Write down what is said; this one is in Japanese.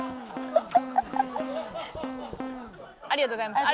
ありがとうございます。